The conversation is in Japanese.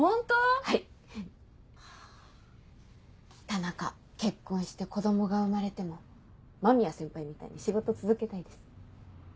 田中結婚して子供が生まれても間宮先輩みたいに仕事続けたいです。